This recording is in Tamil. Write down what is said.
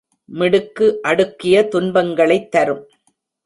மிடுக்கு அடுக்கிய துன்பங்களைத் தரும்.